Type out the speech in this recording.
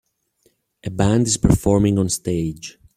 A band is performing on stage.